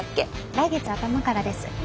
来月頭からです。